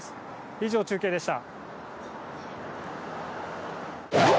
以上、中継でした。